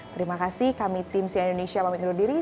terima kasih kami tim si indonesia pamit undur diri